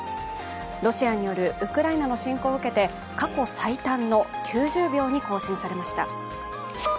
ロシアによるウクライナの侵攻を受けて過去最短の９０秒に更新されました。